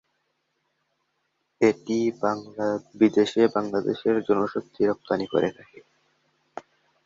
এটি বিদেশে বাংলাদেশের জনশক্তি রপ্তানি করে থাকে।